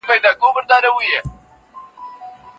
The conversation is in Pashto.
د زده کړي ارزیابي د راتلونکي لپاره لار جوړوي.